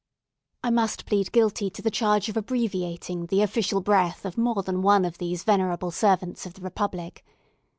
I must plead guilty to the charge of abbreviating the official breath of more than one of these venerable servants of the republic.